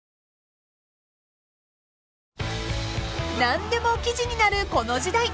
［何でも記事になるこの時代］